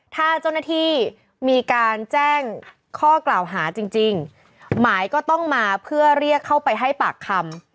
ถ้าเจ้าหน้าที่มีการแจ้งข้อกล่าวหาจริงหมายก็ต้องมาเพื่อเรียกเข้าไปให้ปากคำ